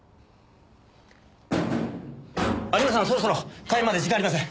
有村さんそろそろ開演まで時間がありません。